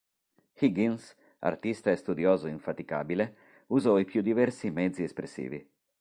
Higgins, artista e studioso infaticabile, usò i più diversi mezzi espressivi.